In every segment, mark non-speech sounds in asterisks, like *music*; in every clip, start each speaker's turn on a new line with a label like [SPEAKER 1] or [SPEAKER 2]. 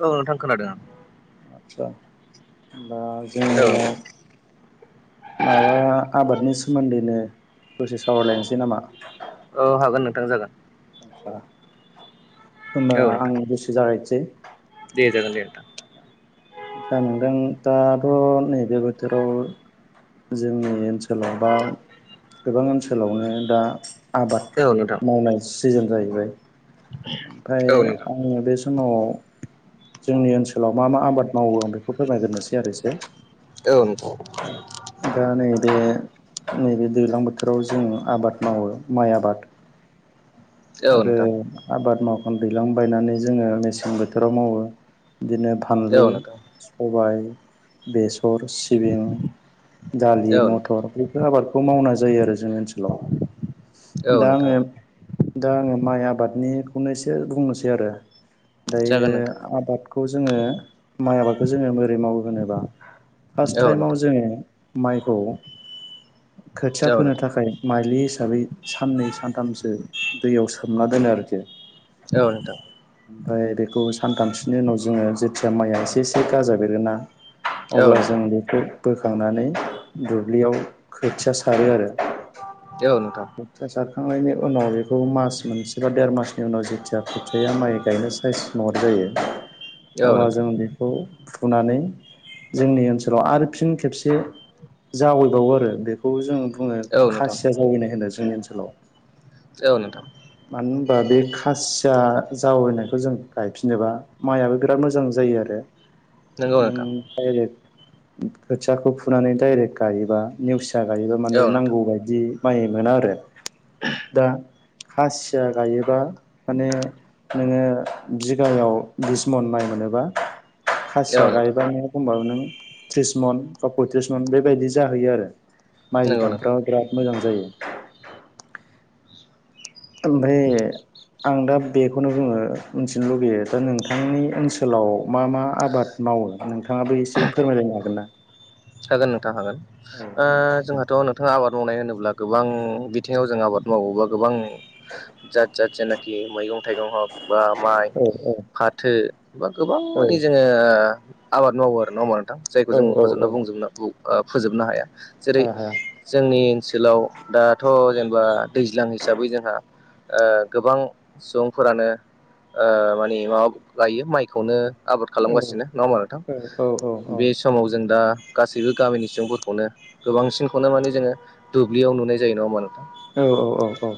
[SPEAKER 1] औ नोंथां खोनादों आं।
[SPEAKER 2] आतसा होमबा
[SPEAKER 1] औ
[SPEAKER 2] जोङो
[SPEAKER 1] नोंथां
[SPEAKER 2] ओ आबादनि सोमोन्दैनो दसे सावरायलायनोसै नामा?
[SPEAKER 1] ओं हागोन नोंथां जागोन।
[SPEAKER 2] ओ होनबा
[SPEAKER 1] औ
[SPEAKER 2] आं
[SPEAKER 1] नोंथां
[SPEAKER 2] दसे जागायनोसै।
[SPEAKER 1] दे जागोन दे नोंथां।
[SPEAKER 2] दा नोंथां दाथ' नैबे बोथोराव जोंनि ओनसोलाव बा गोबां ओनसोलावनो दा आबाद
[SPEAKER 1] औ नोथां।
[SPEAKER 2] मावनाय सिजोन जाहैबाय, ओमफ्राय
[SPEAKER 1] औ नोंथां
[SPEAKER 2] आङो बे स माव जोंनि ओनसोलाव मा मा आबाद मावो आं बेखौ फोरमायग्रोनोसै आरो एसे
[SPEAKER 1] औ नोंथां।
[SPEAKER 2] दा नैबे नैबे दैलां बोथोराव जोङो आबाद मावो, माइ आबाद
[SPEAKER 1] औ
[SPEAKER 2] आरो
[SPEAKER 1] नोंथां
[SPEAKER 2] आबाद मावखां दैलां बायनानै जोङो मेसें बोथोराव मावो बिदिनो
[SPEAKER 1] औ
[SPEAKER 2] फानलु
[SPEAKER 1] नोंथां
[SPEAKER 2] सबाय, बेसर, सिबिं, दालि,
[SPEAKER 1] औ नोंथां
[SPEAKER 2] मथर आबादखौ मावनाय जायो आरो जोंनि ओनसोलाव।
[SPEAKER 1] औ
[SPEAKER 2] दा आङो
[SPEAKER 1] नोंथां
[SPEAKER 2] दा आङो माइ आबादनिखौनो एसे बुंनोसै आरो। दायो
[SPEAKER 1] जागोन नोंथां
[SPEAKER 2] आबाद खौ जोङो माइ आबादखौ जोङो बोरै मावो होनोबा फार्स्ट
[SPEAKER 1] औ नोंथां औ
[SPEAKER 2] टाइमाव
[SPEAKER 1] नोंथां
[SPEAKER 2] जोङो माइखौ खोथिया
[SPEAKER 1] औ नोंथां औ नोंथां औ
[SPEAKER 2] फोनो थाखाय माइलि हिसाबै साननै सानथामसो दैयाव सोमना दोनो आरोखि
[SPEAKER 1] औ नोंथां।
[SPEAKER 2] ओमफ्राय बेखौ सानथामसोनि उनाव जोङो जेथिया माइया एसे एसे गाजा बेरोना?
[SPEAKER 1] औ
[SPEAKER 2] अब्ला जों
[SPEAKER 1] नोंथां
[SPEAKER 2] बेखौ बोखांनानै दुब्लियाव खोथिया सारो आरो।
[SPEAKER 1] औ नोंथां।
[SPEAKER 2] खोथिया सारखांनायनि उनाव बेखौ मास मोनसे बा देर मासनि उनाव जेथिया खोथियाया माइ गायनो साइस महर जायो अब्ला जों बेखौ फुुनानै जोंनि ओनसोलाव आरो फिन खेबसे जावैबावो आरो। बेखौ बेखौ जों बुङो खासिया जावैनाय होनो जोंनि ओनसोलाव।
[SPEAKER 1] औ नोंथां।
[SPEAKER 2] मानो होनबा बे खासिया जावैनायखौ जों गायफिनोबा माइआबो बिराद मोजां जायो आरो।
[SPEAKER 1] नंगौ
[SPEAKER 2] नों
[SPEAKER 1] नोंथां
[SPEAKER 2] डाइरेक्ट खोथियाखौ फुनानै डाइरेक्ट गायोबा नेवसिया गायोबा माने
[SPEAKER 1] औ नोंथां
[SPEAKER 2] नांगौ बायदि माइ मोना आरो। दा खासिया गायोबा माने नोङो बिगायाव बिस मन माइ मोनोबा खासिया
[SPEAKER 1] औ नोंथां
[SPEAKER 2] गायबानो खमबाबो नों थ्रिस मन बा पयथ्रिस मन बेबायदि जाहैयो आरो माइ
[SPEAKER 1] नंगौ नोंथां
[SPEAKER 2] बिदांफ्राव बिराद मोजां जायो। ओमफ्राय आं दा बेखौनो बुङो मिथिनो लुगैयो दा नोंथांनि ओनसोलाव मा मा आबाद मावो नोंथाङाबो एसे फोरमायलायनो हागोन ना?
[SPEAKER 1] हागोन नोंथां हागोन
[SPEAKER 2] औ
[SPEAKER 1] ओ जोंहाथ' नोंथांङा आबाद मावनाय होनोब्ला गोबां बिथिङाव जों आबाद मावो बा गोबां जात जात जेनाखि मैगं थाइगं हग बा माइ
[SPEAKER 2] औ
[SPEAKER 1] फा थो बा गोबां
[SPEAKER 2] औ
[SPEAKER 1] माननि जोङो आबाद मावो आरो ना नङाबा नोंथां जायखौ
[SPEAKER 2] औ
[SPEAKER 1] जों
[SPEAKER 2] औ
[SPEAKER 1] मुंख'जोबना
[SPEAKER 2] औ
[SPEAKER 1] बुं ना बुं ओ फोजोबनो हाया जेरै
[SPEAKER 2] हाया हाया
[SPEAKER 1] जोंनि ओनसोलाव दाथ' जेनेबा दैज्लां हिसाबै जोंहा ओ गोबां सुबुंफोरानो ओ माने माबा गायो माइखौनो आबाद
[SPEAKER 2] औ
[SPEAKER 1] खालामगासिनो नङा होनबा नोंथां
[SPEAKER 2] औ औ औ
[SPEAKER 1] बे समाव जों दा गासैबो गामिनि सुबुंफोरखौनो गोबांसिनखौनो माने जोङो दुब्लियाव नुनाय जायो नङा होनबा नोंथां।
[SPEAKER 2] नोंगौ औ औ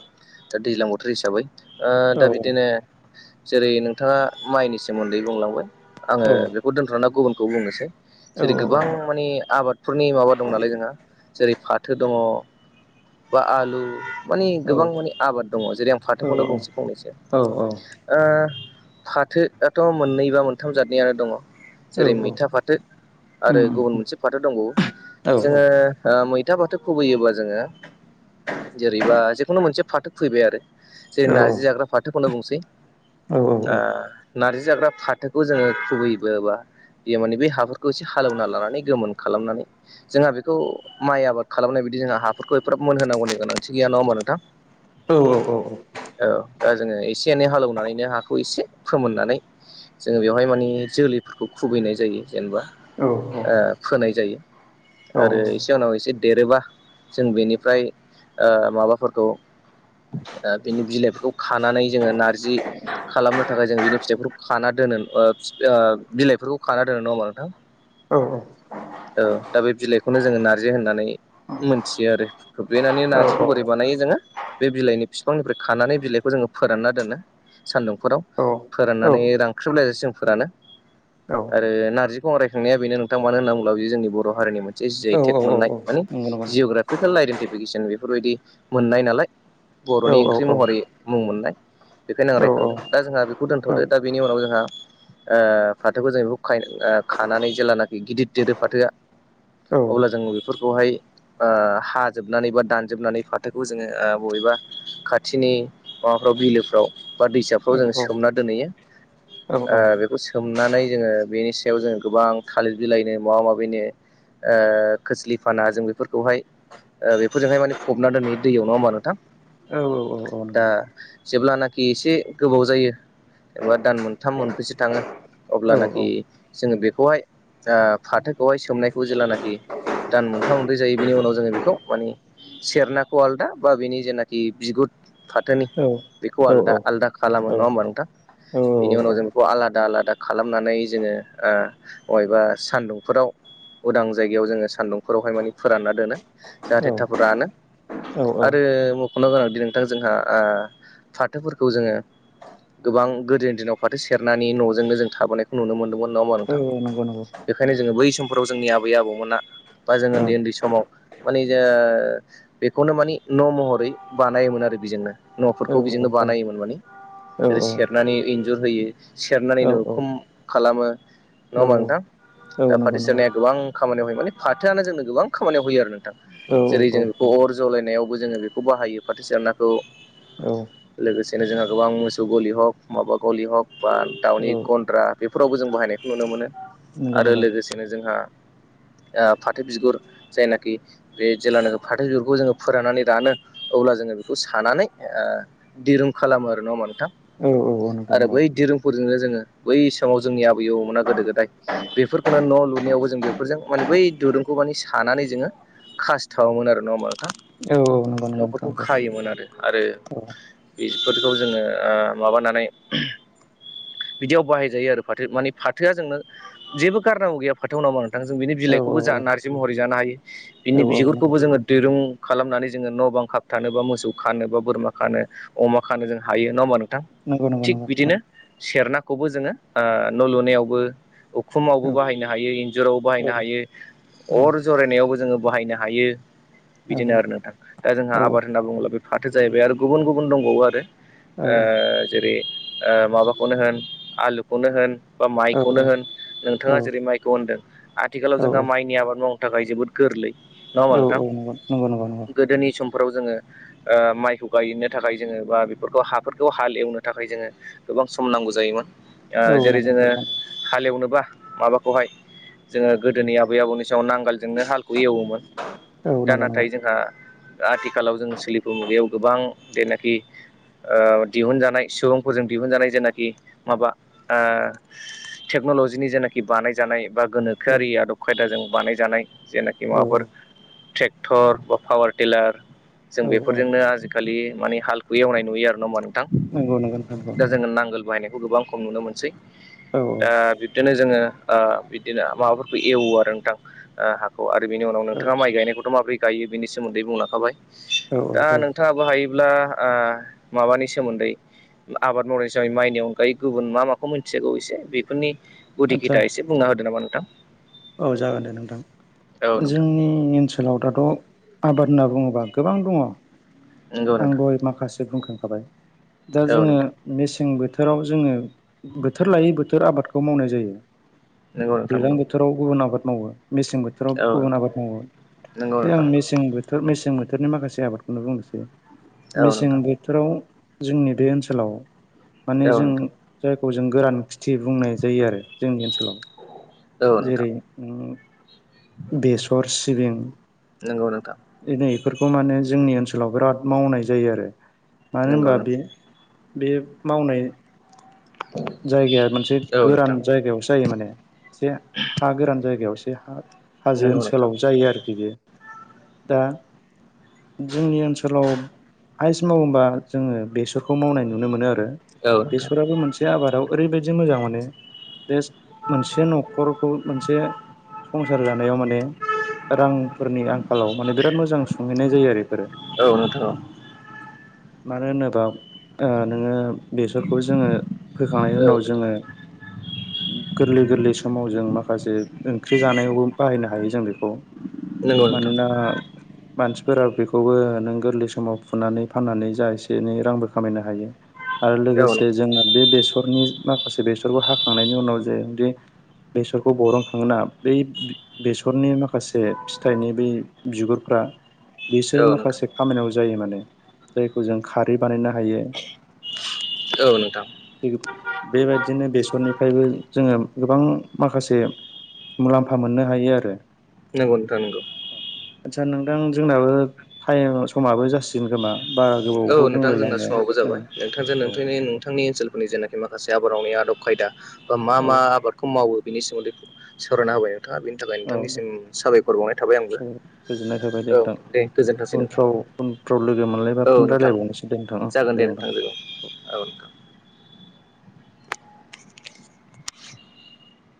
[SPEAKER 1] दा दैज्लां बोथोर हिसाबै ओ दा बिदिनो जेरै नोंथाङा माइनि सोमोन्दै बुंलांबाय आङो बे खौ दोनथ'ना गुबुनखौ दोननोसै जेरै गोबां मानि आबादफोरनि माबा दं नालाय जोंहा जेरै फाथो दङ बा आलु मानि गोबां माने आबाद दङ जेरै आं फाथोखौनो' बुंंनोसेै फंनैसो
[SPEAKER 2] औ
[SPEAKER 1] ओ फाथोआथ' मोननै बा मोनथाम जादनियानो दङ।
[SPEAKER 2] औ
[SPEAKER 1] जेरै
[SPEAKER 2] औ
[SPEAKER 1] मैथा फाथो आरो
[SPEAKER 2] उम
[SPEAKER 1] गुबुन
[SPEAKER 2] उम
[SPEAKER 1] मोनसे फाथो दंबावो
[SPEAKER 2] औ
[SPEAKER 1] जोङो ओ ओ मैथा फाथो खुबैयोब्ला जोङो जेरैबा जेखुनु मोनसे फाथो खुबैबाय आरो जेरै
[SPEAKER 2] औ
[SPEAKER 1] नारजि जाग्रा फाथोखौनो बुंनोसै
[SPEAKER 2] औ
[SPEAKER 1] ओ नार्जि जाग्रा फाथोखौ जोङो खुबैबोबा बे माने बे हाफोरखौ एसे हालेवना लानानै गोमोन खालामनानै जोंहा बेखौ माइ आबाद खालामनाय बायदि जोंहा हाफोरखौ एफाराब मोनहोनांगौनि गोनांथि गैया नङा होमबा नोंथां?
[SPEAKER 2] औ औ औ औ
[SPEAKER 1] औ दा जोङो एसे एनै हालेवनानैनो हाखौ एसे फोमोननानै जोङो बेवहाय मानि जोलैफोरखौ खुबैनाय जायो जेनेबा।
[SPEAKER 2] औ
[SPEAKER 1] ओ फोनाय जायो आरो इसे उनाव एसे देरोबा जों बेनिफ्राय ओ माबाफोरखौ ओ बिनि बिलाइफोरखौ खानानै जोङो नारजि खालामनो थाखाय जों बिनि फिथाइफोरखौ खाना दोनो ओ ओ बिलाइफोरखौ खाना दोनो नङाहोमबा नोंथां।
[SPEAKER 2] औ औ
[SPEAKER 1] ओ दा बे बिलाइखौनो जोङो नारजि होननानै मोनथियो आरो खोब्लेनानै
[SPEAKER 2] औ
[SPEAKER 1] नारजिखौ
[SPEAKER 2] औ
[SPEAKER 1] बोरै
[SPEAKER 2] नंगौ
[SPEAKER 1] बानायो जोङो बे बिलाइनि बिफांनिफ्राय खानानै बिलाइखौ जोङो फोरानना दोनो सान्दुंफोराव। फोराननानै रांख्रेबलायजासिम जों फोरानो। आरो नारजिखौ आं रायखांनाया बेनो नोंथां मानो होनना बुं ङोबा बियो जोंनि बर' हारिनि मोनसे जि आइ थेक मोननाय माने
[SPEAKER 2] नंगौ
[SPEAKER 1] जिउग्रापिकेल आइदेन्टिफिकेसन बेफोरबायदि मोननाय नालाय।
[SPEAKER 2] औ
[SPEAKER 1] बर'नि ओंख्रि
[SPEAKER 2] औ
[SPEAKER 1] महरै मुं मोननाय। बेखायनो आं रायखांदों। दा जोंहा बेखौ दोन्थ'दो दा बेनि उनाव जोंहा ओ फाथोखौ जों खायो खानानै जेलानाखि गिदिर देरो फाथोआ
[SPEAKER 2] औ
[SPEAKER 1] अब्ला जोंङो बेफोरखौहाय ओ हाजोबनानै बा दानजोबनानै फाथोखौ जोंङो बबेबा खाथिनि माबाफ्राव बिलोफ्राव बा
[SPEAKER 2] औ
[SPEAKER 1] दैसाफ्राव जोंङो
[SPEAKER 2] नंगौ
[SPEAKER 1] सोमना दोनहैयो। ओ
[SPEAKER 2] औ
[SPEAKER 1] बेखौ सोमनानै जोंङो बेनि सायाव जोंङो गोबां थालिर बिलाइनो माबा माबिनो ओ खोस्लि फाना जों बेफोरखौहाय बेफोरजोंहाय माने फबना दोनहैयो दैयाव नंङा होमबा नोंथां।
[SPEAKER 2] औ औव औव।
[SPEAKER 1] दा जेब्लानाखि एसे गोबाव जायो। एबा दान मोनथाम मोनब्रैसो थांङो अब्लानाखि जोंङो बेखौहाय आ फाथोखौहाय सोमनायखौ जेेलानाखि दान मोनथाम मोनब्रै जायो बेनि उनाव जोंङो बेखौ मानि सेरनाखौ आलदा बा बेनि जेनाखि बिगुर फाथोनि बेखौ आलदा आलदा खालामो नंङा
[SPEAKER 2] औ
[SPEAKER 1] होमबा नोंथां। बिनि
[SPEAKER 2] औ
[SPEAKER 1] उनाव जों बेखौ आलादा आलादा खालामनानै जोंङो ओ बबेबा सान्दुंफोराव उदां जायगायाव जोंङो सान्दुंफोरावहाय माने फोरानना दोनो।
[SPEAKER 2] औ
[SPEAKER 1] जाहाथे
[SPEAKER 2] औ
[SPEAKER 1] थाब रानो।
[SPEAKER 2] औ
[SPEAKER 1] आरो मख'नो गोनांदि नोंथां जोंहा आ फाथोफोरखौ जोंङो। गोबां गोदोनि दिनाव सेरनानै न'जोंनो थाबोनायखौ नुनो मोनदोंमोन नंङा होनबा।
[SPEAKER 2] औव नंगौ नंगौ।
[SPEAKER 1] बेखायनो जोङो बै समफोराव जोंनि आबै आबौमोना बा जों
[SPEAKER 2] औ
[SPEAKER 1] उन्दै उन्दै समाव माने जो। बेखौनो मानि न' महरै बानायोमोन आरो बेजोंनो
[SPEAKER 2] औ
[SPEAKER 1] न'फोरखौ बेजोंनो
[SPEAKER 2] औ
[SPEAKER 1] बानायोमोन माने। जेरै सेरनानै इन्जुर होयो सेरनानै
[SPEAKER 2] औ
[SPEAKER 1] उखुम खालामो। नंङा
[SPEAKER 2] औ
[SPEAKER 1] होमबा नोंथां।
[SPEAKER 2] औ
[SPEAKER 1] दा
[SPEAKER 2] नंगौ
[SPEAKER 1] फाथो
[SPEAKER 2] नंगौ
[SPEAKER 1] सेरनाया गोबां खामानियाव होयो माने फाथोआनो जोंनो गोबां खामानियाव होयो आरो नोंथां।
[SPEAKER 2] औ औ
[SPEAKER 1] जेरै
[SPEAKER 2] औ
[SPEAKER 1] जोंङो बिखौ अर जलायनायावबो जोंङो बेखौ फाथो सेरनाखौ।
[SPEAKER 2] ओम
[SPEAKER 1] लोगोसेनो जोंहा गोबां मोसौ गलि हग माबा गलि हग बा दाउनि गन्द्रा। बेफोरावबो जों बाहायनायखौ नुनो मोनो।
[SPEAKER 2] नंगौ
[SPEAKER 1] आरो
[SPEAKER 2] नंगौ
[SPEAKER 1] लोगोसेनो जोंहा आ फाथो बिगुर जायनाखि। बे जेब्लानाखि फाथो बिगुरखौ जोंङो फोराननानै रानो अब्ला जोंङो बेखौ सानानै ओ दिरुं खालामो आरो नंङा होनबा नोंथां।
[SPEAKER 2] औ औ नंगौ औ
[SPEAKER 1] आरो बै दिरुंफोरजोंनो जोंङो बै समाव जोंनि आबै आबौमोना गोदो गोदाय। बेफोरखौनो न' लुनायावबो जों बेफोरजों माने बै दुरुंखौ माने सानानै जोंङो। खासथावोमोन आरो नंङा होनबा' नोंथां
[SPEAKER 2] नंगौ नंगौ
[SPEAKER 1] न'फोरखौ
[SPEAKER 2] नंगौ
[SPEAKER 1] खायोमोन आरो।
[SPEAKER 2] औ
[SPEAKER 1] बेफोरखौ जोंङो ओ माबानानै। बिदियाव बाहायजायो आरो फाथो माने फाथोआ जोंनो। जेबो गारनांगौ गैया फाथो आव नोंथां जों बिनि
[SPEAKER 2] औ नंगौ औ
[SPEAKER 1] बिलाइखौबो
[SPEAKER 2] औ
[SPEAKER 1] नारजि महरै जानो हायो। बिनि
[SPEAKER 2] औ
[SPEAKER 1] बिगुरखौबो
[SPEAKER 2] औ
[SPEAKER 1] जोंङो दिरुं खालामनानै जोंङो न' बां खाब थानो बा मोसौ खानो बा बोरमा खानो। अमा खानो जों हायो नंङा होमबा नोंथां।
[SPEAKER 2] नंगौ नंगौ
[SPEAKER 1] थिग
[SPEAKER 2] नंगौ नंगौ औ
[SPEAKER 1] बिदिनो सेरनाखौबो जोंङो न' लुनायावबो। उखुमावबो बाहायनो हायो इन्जुरावबो बाहायनो
[SPEAKER 2] नंगौ
[SPEAKER 1] हायो। अर जरायनायावबो जोंङो बाहायनो हायो। बिदिनो आरो नोंथां दा जोंहा आबाद होनना बुंङोब्ला बे फाथो जाहैबाय आरो गुबुन गुबुन दंबावो आरो। ओ जेरै ओ माबाखौनो होन आलुखौनो होन बा माइखौ। खौनो होन नोंथाङा जेरै माइखौ होनदों आथिखालाव जोंहा माइनि आबाद मावनो थाखाय जोबोद गोरलै। नङा होमबा
[SPEAKER 2] औ
[SPEAKER 1] नोंथां
[SPEAKER 2] औ *unintelligible*
[SPEAKER 1] गोदोनि समफोराव जोङो ओ माइखौ गायनो थाखाय जोङो बा बेफोरखौ हाफोरखौ हालएवनो थाखाय जोङो गोबां सम नांगौ जायोमोन ओ जेरै जोङो
[SPEAKER 2] नोंथां
[SPEAKER 1] हालेवनोबा माबाखौहाय जोङो गोदोनि आबै आबौनि समायाव नांगोलजोंनो हालखौ एवोमोन।
[SPEAKER 2] औ
[SPEAKER 1] दा
[SPEAKER 2] नंगौ नंगौ
[SPEAKER 1] नाथाय जोंहा आथिखालाव जों सोलिफु मुगायाव गोबां जेनाखि ओ दिहुनजानाय सुबुंफोरजों दिहुनजानाय जेनाखि माबा ओ टेक्न'ल'जिनि जेनाखि बानायजानाय बा
[SPEAKER 2] औ
[SPEAKER 1] गोनोखोआरि आदब खायदाजों बानायजानाय जेनाखि माबाफोर
[SPEAKER 2] औ
[SPEAKER 1] ट्रेक्टर बा फावार टिलार जों
[SPEAKER 2] औ
[SPEAKER 1] बेफोरजोंनो आजिखालि खालि माने हालखौ एवनाय नुयो आरो नङा ओमबा नोंथां
[SPEAKER 2] नंगौ नंगौ नोंथां नंगौ
[SPEAKER 1] दा जोङो नांगोल बाहायनायखौ गोबां खम नुनो मोनसै।
[SPEAKER 2] औ
[SPEAKER 1] दा बिब्दिनो जोङो ओ बिदिनो माबाफोरखौ एवो आरो नोंथां। ओ हाखौ आरो बिनि उनाव
[SPEAKER 2] औ औ
[SPEAKER 1] नोंथाङा माइ गायनायखौथ' माबोरै गायो बिनि सोमोन्दै बुंलांखाबाय।
[SPEAKER 2] औ औ
[SPEAKER 1] दा
[SPEAKER 2] औ
[SPEAKER 1] नोंथाङाबो हायोब्ला ओ माबानि सोमोन्दै आबाद मावनाय हिसाबै माइनि अनगायै गुबुन मा माखौ मोन्थिजागौ एसे बेफोरनि गुदि
[SPEAKER 2] आदसा
[SPEAKER 1] गिथा एसे बुंना होदो नामा नोंथां।
[SPEAKER 2] औ जागोन दे नोंथां
[SPEAKER 1] औ नोंथां
[SPEAKER 2] जोंनि ओनसोलाव दाथ' आबाद होनना बुङोबा गोबां दङ
[SPEAKER 1] नंगौ
[SPEAKER 2] आं
[SPEAKER 1] नोंथां
[SPEAKER 2] दहाय माखासे बुंखांखाबाय। दा
[SPEAKER 1] औ
[SPEAKER 2] जोङो
[SPEAKER 1] नोंथां
[SPEAKER 2] मेसें बोथोराव जोङो बोथोर लायै बोथोर आबादखौ मावनाय जायो।
[SPEAKER 1] नंगौ नोंथां
[SPEAKER 2] दैलां
[SPEAKER 1] नंगौ
[SPEAKER 2] बोथोराव गुबुन आबाद मावो मेसें बोथ थोराव
[SPEAKER 1] औ नोंथां
[SPEAKER 2] गुबुन आबाद मावो
[SPEAKER 1] नंगौ
[SPEAKER 2] बे आं
[SPEAKER 1] नोंथां
[SPEAKER 2] मेसें बोथ थोर मेसें बोथोरनि माखासे आबादखौनो बुंनोसै
[SPEAKER 1] औ
[SPEAKER 2] मेसें
[SPEAKER 1] नोंथां
[SPEAKER 2] बोथ थोराव जोंनि बे ओनसोलाव माने
[SPEAKER 1] औ
[SPEAKER 2] जों
[SPEAKER 1] नोंथां
[SPEAKER 2] जायखौ जों गोरान खिथि बुंनाय जायो आरो जोंनि ओनसोलाव।
[SPEAKER 1] औ नोंथां
[SPEAKER 2] जेरै उम बेसर, सिबिं
[SPEAKER 1] नंगौ नोंथां।
[SPEAKER 2] दिनै इफोरखौ माने जोंनि ओनसोलाव बिराद मावनाय जायो आरो मानो
[SPEAKER 1] नंगौ
[SPEAKER 2] होनबा
[SPEAKER 1] नों
[SPEAKER 2] बे बे मावनाय जायगाया मोनसे
[SPEAKER 1] औ
[SPEAKER 2] गोरान
[SPEAKER 1] नोंथां
[SPEAKER 2] जायगायाव जायो माने से हा गोरान जायगायावसे हा-हाजो
[SPEAKER 1] नंगौ नोंथां
[SPEAKER 2] ओनसोलाव जायो आरोखि बे दा जोंनि ओनसोलाव हायेस मावो होनबा जोङो बेसरखौ मावनाय नुनो मोनो आरो
[SPEAKER 1] औ नोंथां
[SPEAKER 2] बेसराबो मोनसे आबादाव ओरैबायदि मोजां मोने बेस मोनसे न'ख खरखौ मोनसे संसार जानायाव माने रांफोरनि आंखालाव माने बिराद मोजां सुंहैनाय जायो आरो इफोरो।
[SPEAKER 1] औ नोंथां औ।
[SPEAKER 2] मानो होनोबा ओ नोङो बेसरखौ जोङो फोखांनायनि उनाव जोङो गोरलै गोरलैस समाव जों माखासे ओंख्रि जानायावबो बाहायनो हायो जों बेखौ
[SPEAKER 1] नंगौ नोंथां
[SPEAKER 2] मानोना मानसिफोरा बेखौबो नों गोरलै समाव फुनानै फाननानै जा एसे एनै रांबो खामायनो हायो। आरो
[SPEAKER 1] औ नोंथां औ
[SPEAKER 2] लोगोसे जोंङो बे बेसरनि माखासे बेसरखो हाखांनायनि उनाव जे बे बेसरखौ बरनखांना बै बेसरनि माखासे फिथाइनि बै बिगुरफ्रा बिसोर
[SPEAKER 1] नोंथां
[SPEAKER 2] माखासे खामानियाव जायो माने जायखौ जों खारै बानायनो हायो।
[SPEAKER 1] औ नोंथां।
[SPEAKER 2] *unintelligible* बेबायदिनो बेसरनिफायबो जोङो गोबां माखासे मुलाम्फा मोननो हायो आरो।
[SPEAKER 1] नोंगौ नोथां नोंगौ।
[SPEAKER 2] आदसा नोंथां जोंनाबो थाइमा समाबो जासि गोन खोमा बारा गोबावखौ बुंलायलाङो ओं
[SPEAKER 1] नोंथांजो
[SPEAKER 2] औ
[SPEAKER 1] नोंथांनि नोंथानि ओनसोलफोरनि जेनाखि माखासे आबाद मावनायनि आदब खायदा बा मा मा आबाद खौ मावो बिनि सोमोन्दै सावरायना होबाय नोंथाङा बि थाखाय
[SPEAKER 2] औ दे
[SPEAKER 1] नोंथांनिसिम साबायखर बावनाय थाबाय आंबो
[SPEAKER 2] गोजोननाय थाबाय
[SPEAKER 1] औ
[SPEAKER 2] नोंथां
[SPEAKER 1] दे गोजोन्थोंसै नोंथां।
[SPEAKER 2] उनफ्राव उनफ्राव लोगो मोनलाय
[SPEAKER 1] औ
[SPEAKER 2] फिन
[SPEAKER 1] नोंथां
[SPEAKER 2] रायलायबावनोसै दे नोंथां औ दे होमबा नोंथां।
[SPEAKER 1] औ नोंथां।